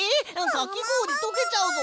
かきごおりとけちゃうぞ。